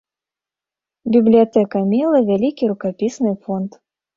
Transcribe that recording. Бібліятэка мела вялікі рукапісны фонд.